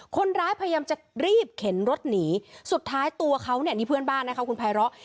คนร้ายพยายามจะรีบเข็นรถหนีสุดท้ายตัวเขานี่เพื่อนบ้านนะครับคุณไพร้อบ